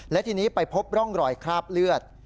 และทีนี้ไปพบร่องรอยคราบเลือด